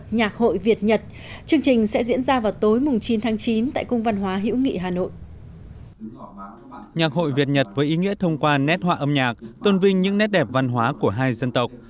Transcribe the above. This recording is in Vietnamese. nhạc hội việt nhật với ý nghĩa thông qua nét họa âm nhạc tôn vinh những nét đẹp văn hóa của hai dân tộc